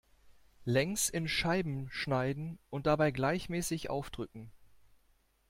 Längs in Scheiben schneiden und dabei gleichmäßig aufdrücken.